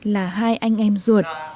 là hai anh em ruột